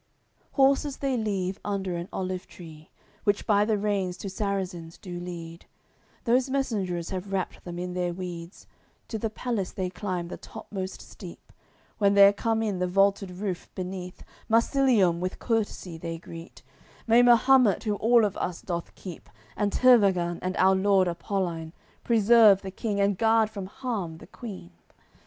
CXCV Horses they leave under an olive tree, Which by the reins two Sarrazins do lead; Those messengers have wrapped them in their weeds, To the palace they climb the topmost steep. When they're come in, the vaulted roof beneath, Marsilium with courtesy they greet: "May Mahumet, who all of us doth keep, And Tervagan, and our lord Apoline Preserve the, king and guard from harm the queen!"